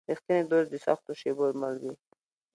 رښتینی دوست د سختو شېبو مل وي.